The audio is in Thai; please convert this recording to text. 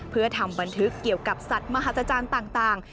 เพื่อทำบันทึกเกี่ยวกับสัตว์มหาศจรรย์ต่าง